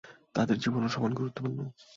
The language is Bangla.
তাদের জীবনও সমান গুরুত্বপূর্ণ।